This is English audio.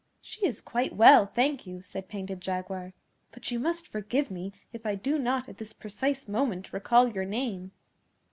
'She is quite well, thank you,' said Painted Jaguar; 'but you must forgive me if I do not at this precise moment recall your name.